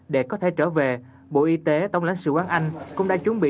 để có thể trở về bộ y tế tổng lãnh sự quán anh cũng đã chuẩn bị